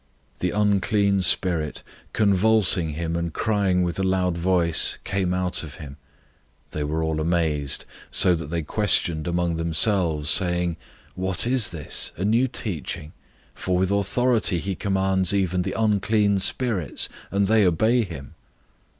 001:026 The unclean spirit, convulsing him and crying with a loud voice, came out of him. 001:027 They were all amazed, so that they questioned among themselves, saying, "What is this? A new teaching? For with authority he commands even the unclean spirits, and they obey him!"